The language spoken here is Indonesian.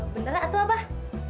bener lah atuh abah